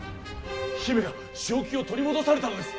姫が正気を取り戻されたのです